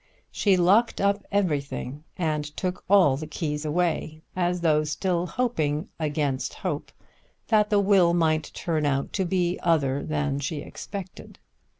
She locked up everything and took all the keys away, as though still hoping, against hope, that the will might turn out to be other than she expected.